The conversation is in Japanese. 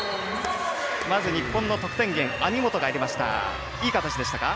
まず日本の得点源網本が入れました。